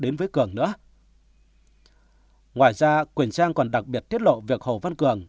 ngoài ra quỳnh trang còn đặc biệt tiết lộ việc hồ văn cường